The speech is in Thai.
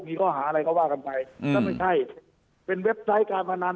มีข้อหาอะไรก็ว่ากันไปก็ไม่ใช่เป็นเว็บไซต์การพนัน